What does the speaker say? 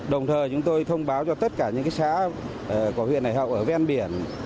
đồng thời chúng tôi thông báo cho tất cả những xã của huyện hải hậu ở ven biển